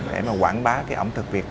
để mà quảng bá cái ẩm thực việt